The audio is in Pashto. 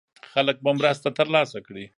خلک به مرسته ترلاسه کړي.